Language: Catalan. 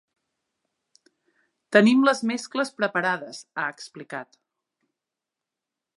Tenim les mescles preparades, ha explicat.